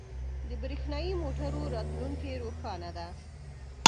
• د برېښنايی موټرو راتلونکې روښانه ده.